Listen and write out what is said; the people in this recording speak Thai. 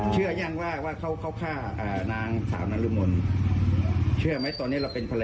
เชื่อยังบอกเชื่ออยู่ดี